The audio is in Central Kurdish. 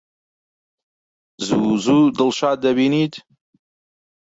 زوو زوو دڵشاد دەبینیت؟